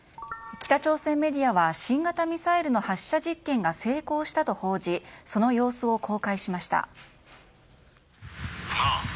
北朝鮮メディアは新型ミサイルの発射実験が成功したと報じその様子を公開しました。